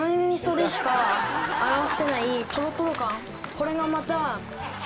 これがまた。